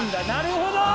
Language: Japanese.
なるほど。